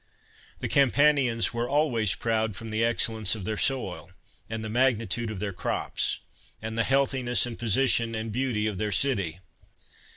The Cam panians were always proud from the excellence of their soil, and the magnitude of their crops, and the healthiness, and position, and beauty of their city.